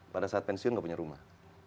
pada saat pensiun gak punya rumah